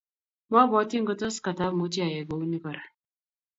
Mabwati ngotos katamuchi ayai kouni kora